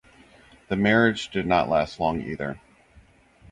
The marriage did not last long either.